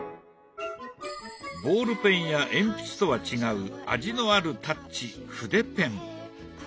ボールペンや鉛筆とは違う味のあるタッチ筆ペン。